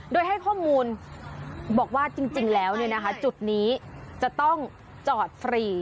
โดยให้ข้อมูลบอกว่าจริงแล้วจุดนี้จะต้องจอดฟรี